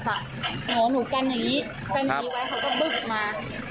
หมอหนูกันอย่างนี้กันอย่างนี้ไว้เขาก็บึกมา